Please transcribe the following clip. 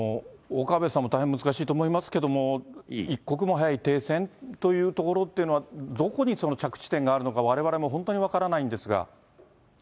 岡部さんも大変難しいと思いますけれども、一刻も早い停戦というところっていうのは、どこに着地点があるのか、われわれも本当に分からないんですが。